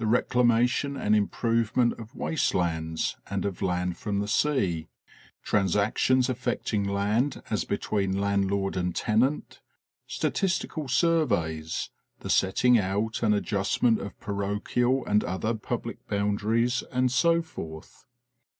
reclamation and improvement of waste lands, and of land from the sea; transactions affecting land as between landlord and tenant ; statistical surveys, the setting out and adjustment of parochial and other public boundaries and so forth.